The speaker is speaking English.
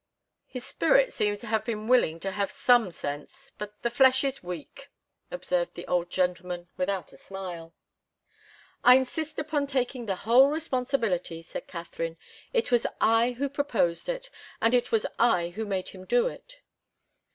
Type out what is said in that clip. "His spirit seems to have been willing to have some sense but the flesh was weak," observed the old gentleman, without a smile. "I insist upon taking the whole responsibility," said Katharine. "It was I who proposed it, and it was I who made him do it."